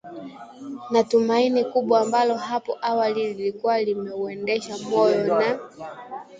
na tumaini kubwa ambalo hapo awali lilikuwa limeuendesha moyo na